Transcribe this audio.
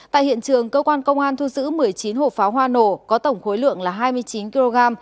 tại hiện trường cơ quan công an thu giữ một mươi chín hộp pháo hoa nổ có tổng khối lượng là hai mươi chín kg